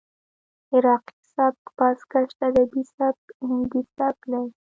عراقي سبک، بازګشت ادبي سبک، هندي سبک دى.